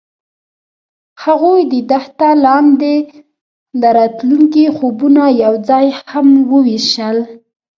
هغوی د دښته لاندې د راتلونکي خوبونه یوځای هم وویشل.